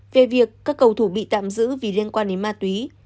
về việc các cầu thủ bị tạm giữ vì liên quan đến ma túy